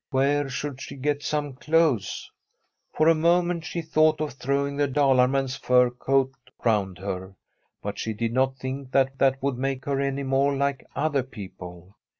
Where should she get some clothes? For a moment she thought of throwing the Dalar man's fur coat round her, but she did not think that that would make her any more like other people.